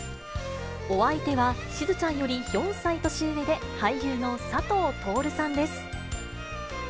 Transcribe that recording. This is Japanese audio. お相手は、しずちゃんより４歳年上で、俳優の佐藤達さんです。